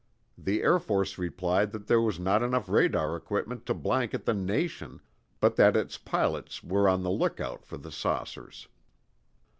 The Air Force replied that there was not enough radar equipment to blanket the nation, but that its pilots were on the lookout for the saucers.